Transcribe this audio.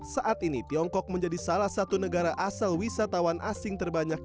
saat ini tiongkok menjadi salah satu negara asal wisatawan asing terbanyak